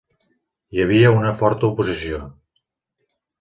Hi havia una forta oposició.